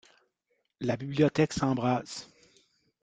La bibliothèque s'embrase.